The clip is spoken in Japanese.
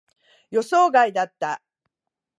予想外だった。